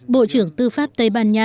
bộ trưởng tư pháp tây ban nha